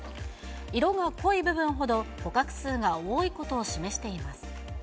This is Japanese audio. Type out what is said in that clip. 色が濃い部分ほど、捕獲数が多いことを示しています。